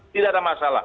tidak ada masalah